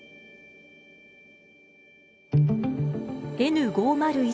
Ｎ５０１